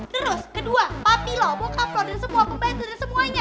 terus kedua papi lo bokap lo dan semua pembantu dan semuanya